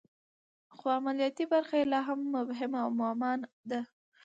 خو عملیاتي برخه یې لا هم مبهم او معما ده